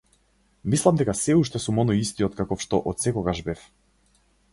Мислам дека сѐ уште сум оној истиот каков што отсекогаш бев.